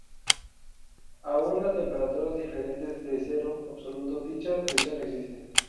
Aún a temperaturas diferentes de cero absoluto, dicha presión existe.